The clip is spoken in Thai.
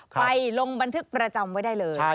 ไปลงบันทึกประจำไว้ได้เลย